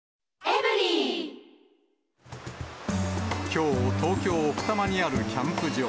きょう東京・奥多摩にあるキャンプ場。